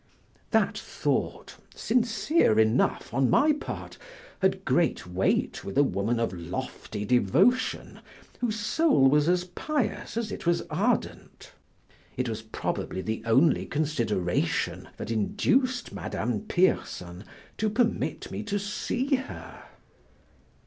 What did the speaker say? That thought, sincere enough on my part, had great weight with a woman of lofty devotion whose soul was as pious as it was ardent. It was probably the only consideration that induced Madame Pierson to permit me to see her.